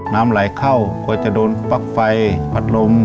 น้ำไหลเข้ากลัวจะโดนปลั๊กไฟพัดลม